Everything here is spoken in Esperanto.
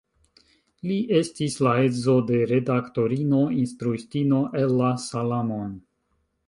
Li estis la edzo de redaktorino, instruistino Ella Salamon.